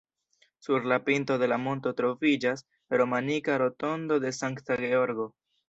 Sur la pinto de la monto troviĝas romanika rotondo de Sankta Georgo.